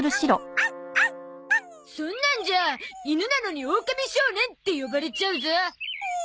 そんなんじゃ犬なのにオオカミ少年って呼ばれちゃうゾ。